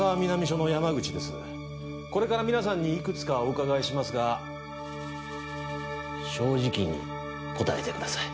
これから皆さんにいくつかお伺いしますが正直に答えてください